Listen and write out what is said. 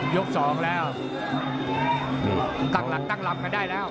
ยกสองแล้วตั้งหลักตั้งลำกันได้แล้ว